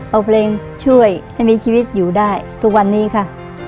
เอาเพลงช่วยให้มีชีวิตอยู่ได้ทุกวันนี้ค่ะ